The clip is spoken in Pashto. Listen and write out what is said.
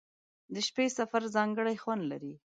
• د شپې سفر ځانګړی خوند لري.